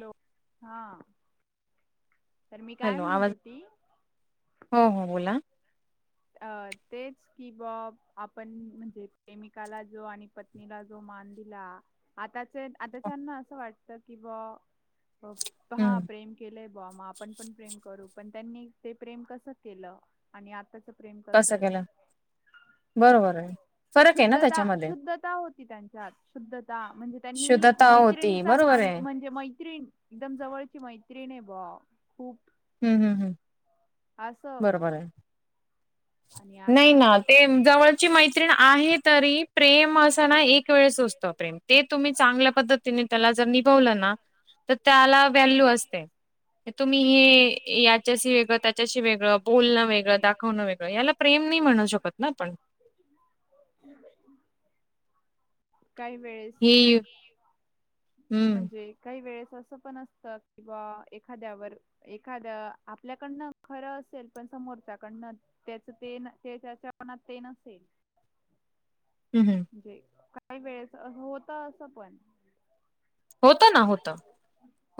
Hello, हा. तर मी काय हॅलो म्हणत आवाज होती. हो हो बोला अ तेच किबॉब आपण म्हणजे प्रेमिकाला जो आणि पत्नीला जो मान दिला आताचे आताच्याना असं वाटत की बा हो हा हम्म प्रेम केलंय बॉमा आपण पण प्रेम करू पण त्यांनी ते प्रेम कस केलं आणि आताच प्रेम कस कसं आहे केलं बरोबर आहे फरक आहे ना शुद्ध त्याच्यामध्ये शुद्धता होती त्यांच्यात शुद्धता म्हणजे त्यांनी शुद्धता मैत्रिणी होती बरोबर मान आहे म्हणजे मैत्रीण एकदम जवळची मैत्रिण आहे भा खूप हम्म हम्म हम् असं बरोबर आहे आणि आता नाही ना ते जवळची मैत्रिण आहे तरी प्रेम असं ना एक वेळ सुचतो प्रेम ते तुम्ही चांगल्या पद्धतीने त्याला जर निभवलं ना तर त्याला वॅल्यू असते तुम्ही हे याच्याशी वेगळं त्याच्याशी वेगळं बोलणं वेगळं दाखवणं वेगळं याला प्रेम नाही म्हणू शकत ना पण हम् काही वेळेस हे हम्म म्हणजे काही वेळेस असं पण असत कि बा एखाद्यावर एखादं आपल्याकडनं खरं असेल पण समोरच्याकडनं त्याच ते त्याच्या मनात ते नसेल हम हम म्हणजे काही वेळेस होत असं पण होतं ना होतं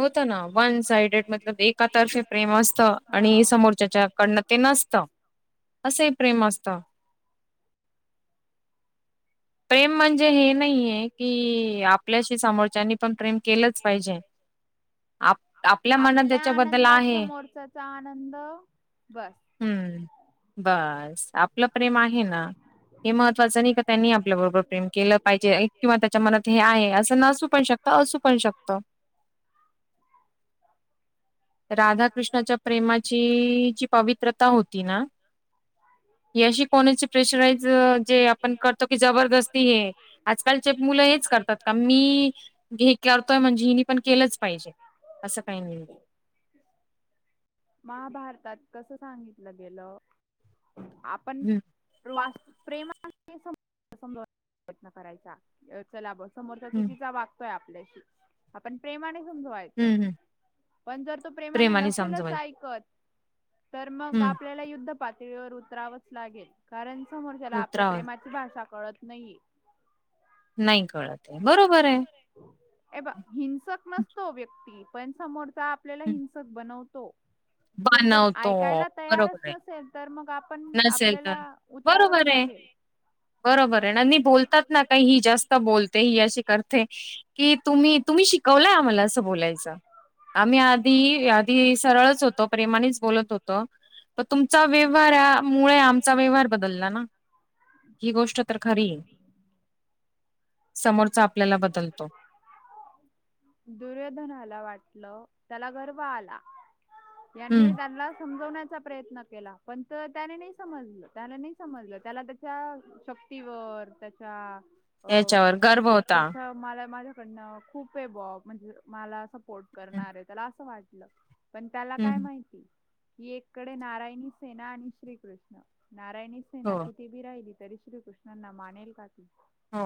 होत ना वन सायडेड मल एातर्फे प्रेम असत हा. आणि समोरच्याच्याकडन ते नसत असे प्रेम असत प्रेम म्हणजे हे नाहीये की आपल्याशी समोरच्यानी पण प्रेम केलंच पाहिजे आप मनात आपल्या त्याच्याबद्दल आनंदात आहे समोरचाचा आनंद बास. हम्म. बस आपलं प्रेम आहे ना हे महत्त्वाचं नाही का त्यांनी आपल्या प्रेम केलं पाहिजे किंवा त्याच्या मनात हे आहे असं नसू पण शकत असू पण शकत. राधाकृष्णाच्या प्रेमाची जी पवित्रता होती ना. ह ी अशी कोणाची प्रेशराईज जे आपण करतो की जबरदस्ती हे आजकालचे मुलं हेच करतात क मी हे करतोय म्हणजे हिनी पण केलंच पाहिजे असं काही नाही ह महाभारतात कसं सांगितलं गेलं आपण हं, वास्त प्रेमा प्रयत्न करायचा चला ब समोरथ हं, चुकीचा वाग आपल्याशी आपण प्रेमाने समजवायचं. हं, हं. पण जर तो प्रेमाने नसेलच ऐकत तर मग हं, आपल्याला युद्ध पातळीवर उतरावंच लागेल कारण समोरच्याला आपल्या उतरावं प्रेमा ची भाषा कळत नाही. नाही कळत बरोबर आहे. ए ब हिंसक नसतो व्यक्ती पण समोर चा आपल्याला हं, हिंसक बनवतो. तोन जर बनवतो ऐकायला बरोबर तयारच आहे. नसेल तर मग आपण नसेल तर आपल्याला उतरावंच बरोबर आहे, लागेल. बरोबर आहे आणि बोलतात ना काही ही जास्त बोलते ही अशी करते की तुम्ही तुम्ही शी कवलय आम्हाला असं बोलायचं आम्ही आधी आधी सरळच होतो. प्रेमानेच बोलत होतो. तर तुमचा व्यवहार यामुळे आमचा व्यवहार बदलला ना. ही गोष्ट तर खरी आहे समोरचा आपल्याला बदलतो. दुर्योधनाला वाटलं. त्याला गर्व आला. हम्म यांने त्यांना समजवण्याचा प्रयत्न केला पण त्याने नाय समजलं त्याने नाय समजलं त्याला त्याच्या शक्तीवर त्याच्या अ याच्यावर गर्भ म्हणजे होता त्याच्या मला माझ्याकडनं खूपये बॉ म्हणजे मला फोट हम्म करणार आहे. त्याला असं वाटलं पण त्याला काय हम्म माहिती एकीकडं नारायणी सेना आणि श्रीकृष्ण नारायणी सेना हो कि ती बी राहिली तरी श्रीकृष्णांना मानेल का ती. हो,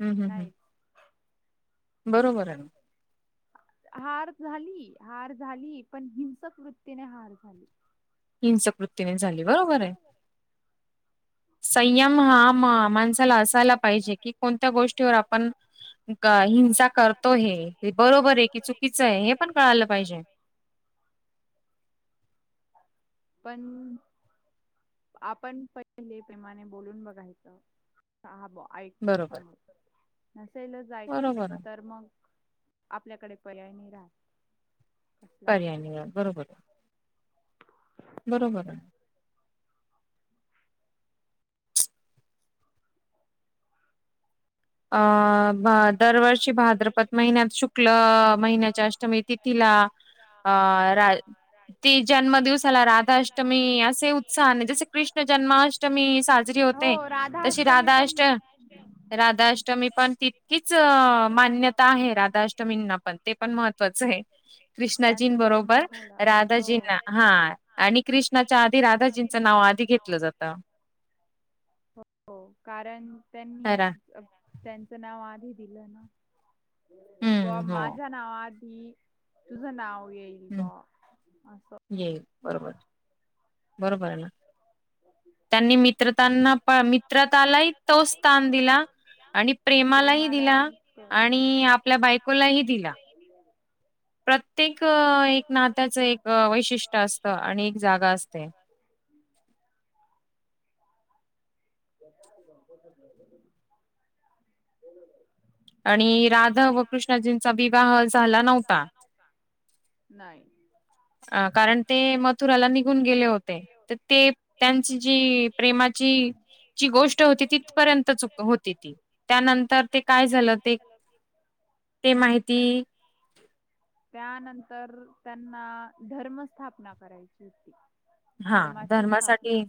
हम्म हम्म हम्म नाही बरोबर आहे [unintelligible] हार झाली, हार झाली. पण हिंसक वृत्तीने हार झाली हिंसक वृत्तीने झाली बरोबरय बरं संयम हा माणसाला असायला पाहिजे कि कोणत्या गोष्टीवर आपण का हिंसा करतो हे बरोबरय की चुकीचंय हे पण कळालं पाहिजे. पण आपण पहिले प्रेमाने बोलून बघायचं हा बॉ ऐकतोय बरोबर समोरच्याचं नसेलच ऐकत बरोबर आहे तर मग आपल्याकडे पर्याय नाही राहत. कसला. पर्याय नाही राहत. बरोबर बरोबरय अ भाद दरवर्षी भाद्रपद महिन्यात शुक्ल महिन्याच्या अष्टमी येती तिला अ रा ती जन्मदिवसाला राधा अष्टमी असे उत्साहने जसे की कृष्ण जन्माष्टमी साजरी होते. हो तशी राधाअष्टमी राधाष्ट पण राधाष ष्टमी पण तितकीच मान्यता आहे राधा अष्टमींना पण ते पण महत्त्वाचंय त्यांचा कृष्णाजीं जन्म बरोबर. झाला हो. राधाजींना हा राधाजीना हा आणि कृष्णाच्या आधी राधाजींचं नाव आधी घेतलं जातं हो कारण त्यांनी त्यांचं नाव आधी दिलं ना कि बॉ हम्म हो माझ्या नावा आधी तुझं नाव येईल कि हं, बॉ अस येईल बरोबर बरोबरय ना [unintelligible] त्यांनी मित्रतांना मित्रतालाही तोचं स्थान दिला आणि प्रेमालाही प्रेमाला दिला एक आणि आपल्या बायकोलाही दिला. प्रत्येक एक नात्याचं एक वैशिष्ट्य असतं आणि एक जागा असते. ठ [unintelligible] आणि राधा व कृष्णजींचा विवाह झाला नव्हता. नाई अ कारण ते मथुराला निघून गेले होते तर ते त्यांची जी प्रेमाची जी गोष्ट होती तिथपर्यंत च होती. ती त्यानंतर ते काय झालं ते ते माहिती त्यानंतर त्यांना धर्मस्थापना करायची होती. हा धर्माची धर्मासाठी स्थापना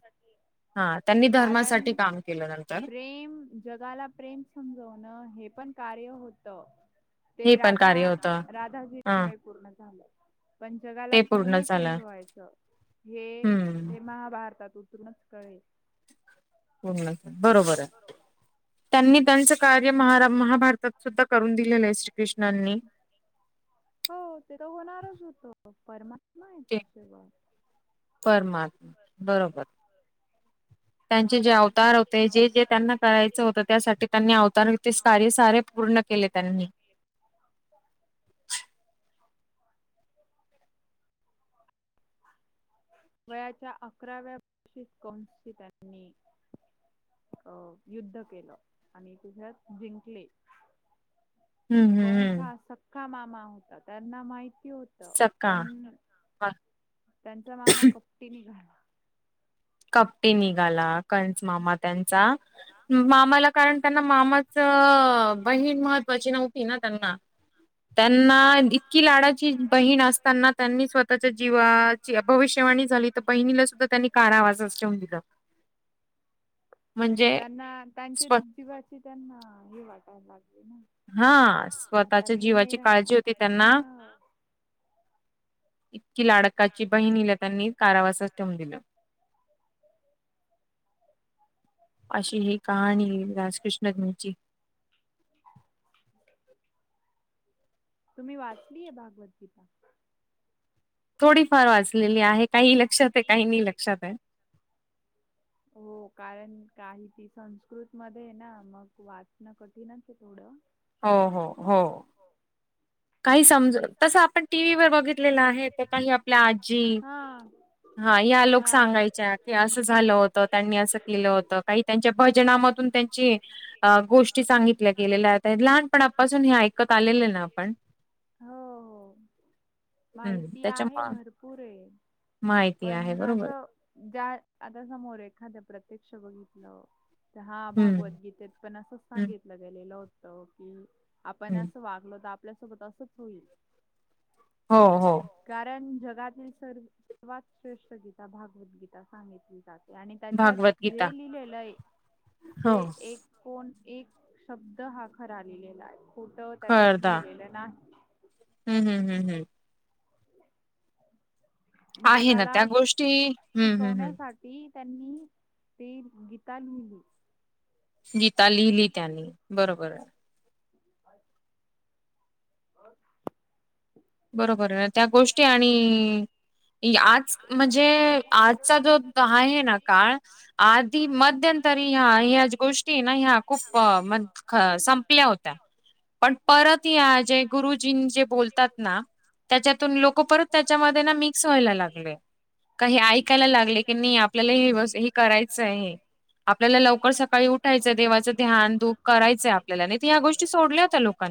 हा त्यांनी कारण धर्मासाठी काम केलं नंतर प्रेम जगाला प्रेम समजावणं हे पण कार्य होतं ते हे पण राधा कार्य होतं राधाजी हा मुळे पूर्ण झालं पण जगाला ते पूर्ण धर्म झालं समजवायचं हे हम्म ते महाभारतात उतरूनच कळेल प [unintelligible] बरोबरय त्यांनी त्यांच कार्य मा महाभारतात सुद्धा करून दिलेलं आहे श्रीकृष्णांनी हो ते तर होणारच होत परमात्मा आहे ते त शेवळ परमात्मा बरोबर त्यांचे जेव अतार होते जे जे त्यांना करायचं होतं त्यासाठी त्यांनी अवतार ते कार्य सारे पूर्ण केले त्यांनी. वयाच्या अकराव्या वषित कौनस त्यांनी अ युद्ध केलं आणि तुझ्यात जिंकले. हम्म हम्म कोौणसा हम्म. सक्का मामा होता त्यांना माहिती होत सका पण त्यांचा मामा कप्टीनी झााला कपे निघाला कंच मामा त्यांचा मामाला कारण त्यांना मामा बहीण महत्त्वाची नव्हती ना त्यांना त्यांना इतकी लाडाची बहीण असताना त्यांनी स्वतःच्या जीवात भविष्यवाणी झाली तर बहिणीला सुद्धा त्यांनी कारावाजच ठेवन दिलं. म्हणजे त्यांना त्यांच्या स्व जीवाची त्यांना हे वाटायला लागले ना हा ह आता स्वतःच्या मी नाही जीवाची राहा म्हणजे काळजी होती काजी त्यांना ना इतकी लाडकाची बहीणीला त्यांनी कारावासात ठेवून दिलं. अशी ही कहाणी राजकृष्णजची तुम्ही वाचलीय भागवद्गीता. थोडीफार वाचलेली आहे काही लक्षात आहे काही नाही लक्षात आहे. हो कारण काही त संस्कृत मध्ये ना मग वाचणं कठीणच आहे थोडं हो हो हो. काही समज तसं आपण टीव्हीवर बघितलेलं आहे काही आपल्या आजी हा हा या लोक सांगायच्या की असं झालं होतं त्यांनी असं केलं होतं काही त्यांच्या भजनामधून त्यांची अ गोष्टी सांगितल्या गेलेल्या आहेत आहेत लहानपणापासून हे ऐकत आलेले ना आपण हो हो हम्म माहिती आहे त्याच्यामुळे भरपूर आहे. माहिती आहे पण बरोबर असं ज्या आता समोर एखाद्या प्रत्यक्ष बघितलं हा हम्म भागवद्गीतेत ण अस हम्म सांगितलं गेलेलं होत की आपण हम्म अस वागलो तर आपल्यासोबत असच होईल. हो हो. कारण जगातील सर्व सर्वात श्रेष्ठ गीता भागवद्गीता सांगितली जात. आणि त्याच्यात भागवत गीता जे लिहिलेलं आहे हो ते एक कोण एक शब्द हा खरा लिहिलेला आहे फोट त्याच्यात लिहिलेलं नाही. हम् हम हम हम आहे ना जगाला त्या गोष्टी हम्म हम्म हम्म शिकवण्यासाठी ती त्यांनी ती गीता लिहिली. गीता लिहिली त्यानी बरोबर आहे. अ [unintelligible] ह [inaudible] बरोबर आहे त्या गोष्टी आणि आज म्हणजे आजचा जो आहे ना काळ आधी मध्यंतरी ह्या ह्याच गोष्टी ना ह्या खूप म संपल्या होत्या. पण परत या जे गुरुजी जे बोलतात ना त्याच्यातून लोक परत त्याच्यामध्ये ना मिक्स व्हायला लागले. काही ऐकायला लागले की नाही आपल्याला हे हे करायचं आहे. आपल्याला लवकर सकाळी उठायचंय देवाचं ध्यान दूप करायचंय आपल्याला नाही तर ह्या गोष्टी सोडल्या होत्या लोक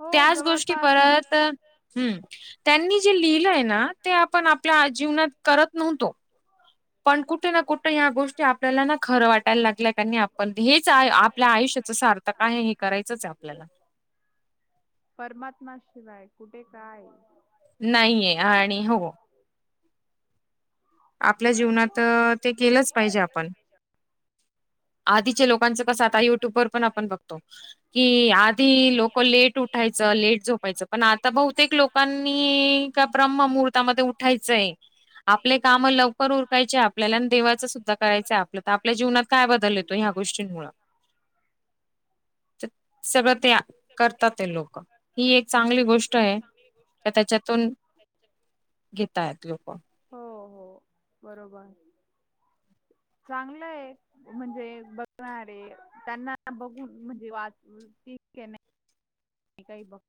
हो त्याच गोष्टी जवळपास परत हम्म त्यांनी जे लिहिलंय ना ते आपण आपल्या जीवनात करत नव्हतो. पण कुठे ना कुठे या गोष्टी आपल्याला ना खरं वाटायला लागल्याय कानी आपण हेच आपल्या आयुष्याच सार्थक आहे. करायचंच आहे आपल्याला परमात्माशिवाय कुठे काय नाहीये आणि हो आपल्या जीवनात ते केलंच पाहिजे आपण आधीच्या लोकांचं कसं आता युट्यूब वर पण आपण बघतो की आधी लोक लेट उठायचं लेट झोपायचं पण आता बहुतेक लोक पण का ब्रह्म मुहूर्तामध्ये उठायचंय आपल्या काम लवकर उरकायचे आपल्याला आणि देवाचं सुद्धा करायचय आपलं तर आपल्या जीवनात काय ब ह्या गोष्टींमुळे तर सगळं ते करतात ते लोक ही एक चांगली गोष्ट आहे का त्याच्यातून घेतय लोक हो हो बरोबर चांगलंय म्हणजे बघणारे त्यांना बघून म्हणजे वा मी काही बघ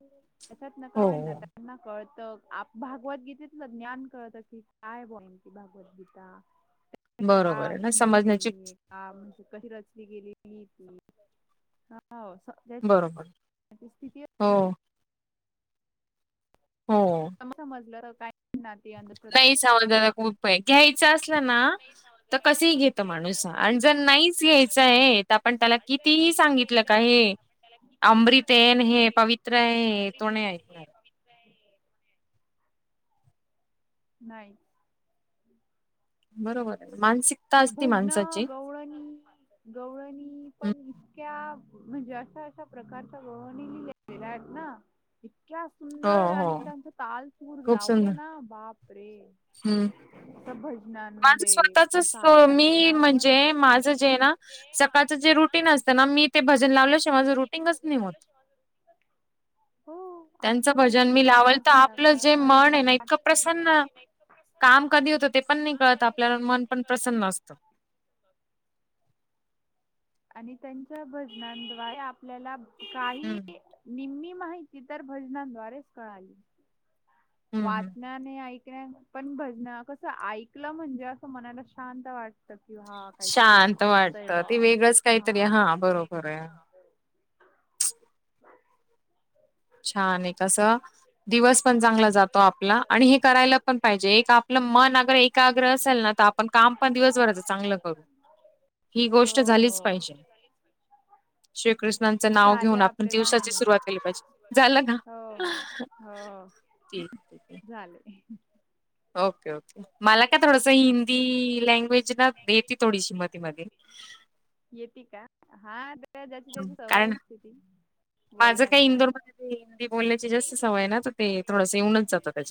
त्याच्यात नका हो, होई ना हो. त्यांना कळतं आप भागवद्गीतेेतलं ज्ञान कळत की काय बई त भागवद्गीता बरोबर का आहे ना समजण्याची ललेली एक हा म्हणजे कशी रचली गेलेली ती हा बरोबर हो हो समजलं काय म्हणार नाही समज घ्यायच असलं ना तर कस घेत माणूस आणि जर नाही घ्यायच आहे आपण त्याला आणि जर कितीही नाहीच सांगितलं का घ्यायचंय हे तर आपण त्याला कितीही अमृत आहे सांगितलं आणि का हे पवित्र आहे तो नाही अमृतन हे ऐकणार. पमित्राय नाही. बरोबर आहे,, मानसिकऽ भजनं,, गौळणी. गवळणी हं. पण इतक्या, म्हणजे अशा अशा प्रकारच्या गवळणी लिलेल्या आहेत ना. इतक्या हो सुंदर हो आणि त्यांचा तालपूर खूप लावले सुंदर ना बाप रे हम्म माझं भजनांमध्ये स्वतःच असं ऐकायचं ना मी आपण म्हणजे माझं जे मी आहे ना म्हणजे सकाळचं माझं जे ना रुटीन असतं ना मी ते भजन रुी असते लावल्याशिवाय ना माझं मी ते रुटीनच नाही होत. भाजनल शेवाज त्यांचं भजन मी लावल सकाळ तर आपलं संध्याकाळ जे मन आहे ना हरिपाठ इतकं प्रसन्न काम कधी होतं ते पण नाही कळत आपल्याला,, मन पण प्रसन्न असतं. आणि त्यांच्या भजनाद्वारे आपल्याला,, काऽ हम्म, निम्मी माहिती तर भजनाद््वारेच कळाली. हम्म हम्म. वाचण्या आणि ऐकण्याऽ पण भजन कसं ऐकलं म्हणजे, असं मनाला शांत वाटतं,, कि हाऽ काहीतरी शांत मस्त आहे,, वाटतं ते वेगळंच काहीतरी बाऽ हां बरोबर आहे. छान आहे, कसंऽ दिवस पण चांगला जातो आपला,, आणि हे करायला पण पाहिजे, एक आपलं मन अगर एकाग्र असेल ना तर आपणऽ काम पण दिवसभराच चांगलं करू,, ही गोष्ट हो हो. झालीच पाहिजे. श्रीकृष्णांचं नाव झाले घेऊन, आपण आपले दहा दिवसाची मिनिट. सुरुवात केली पाहिजे. झालं ना,, सुरुवात. हो ठीकठीक. झालंय, ओके ओके. मला काय थोडस हिंदी, लँग्वेज ना एते थोडीशी मधेमध्ये. येते का,, हा,, त्या ज्याची त्याची कारण सवयच आसते ती. माझं काही बोलण्याद्वारे इंदोरमध्ये ते हिंदी बोलण्याची जास्त सवय आहे ना,, तर ते थोडस येऊनच जातं,, त्याच्याऽ